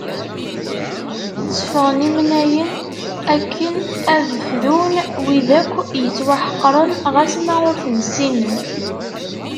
Tteffɣen imnayen akken ad d-fdun wid akk yettwaḥeqren ɣas ma ur ten-ssinen.